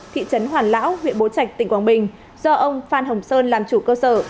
thị trấn hoàn lão huyện bố trạch tỉnh quảng bình do ông phan hồng sơn làm chủ cơ sở